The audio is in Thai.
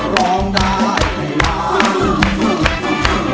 ร้องได้ให้ล้าน